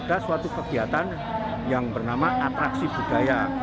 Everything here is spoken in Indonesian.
ada suatu kegiatan yang bernama atraksi budaya